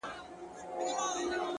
• ځوان د سگريټو تسه کړې قطۍ وغورځول ـ